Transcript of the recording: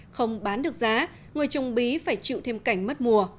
không bán được giá người trồng bí phải chịu thêm cảnh mất mùa